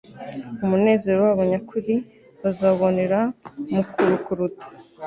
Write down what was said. Umunezero wabo nyakuri bazawubonera mu kurukuruda.